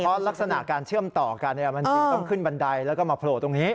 เพราะลักษณะการเชื่อมต่อกันมันจึงต้องขึ้นบันไดแล้วก็มาโผล่ตรงนี้